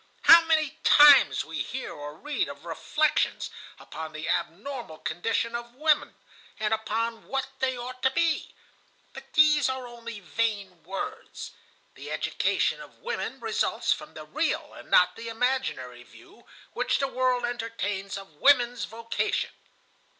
How many times we hear or read of reflections upon the abnormal condition of women, and upon what they ought to be. But these are only vain words. The education of women results from the real and not imaginary view which the world entertains of women's vocation.